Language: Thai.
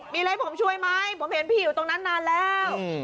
มีอะไรให้ผมช่วยไหมผมเห็นพี่อยู่ตรงนั้นนานแล้ว